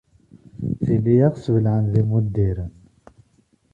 Tili a ɣ-sbelɛen d imuddiren.